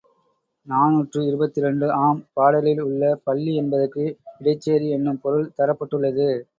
நாநூற்று இருபத்திரண்டு ஆம் பாடலில் உள்ள பள்ளி என்பதற்கு இடைச்சேரி என்னும் பொருள் தரப்பட்டுள்ளது.